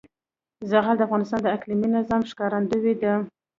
زغال د افغانستان د اقلیمي نظام ښکارندوی ده.